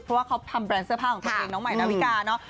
เพราะว่าเขาทำแบรนด์เสื้อผ้าของตัวเองน้องใหม่นาวิกาเนอะ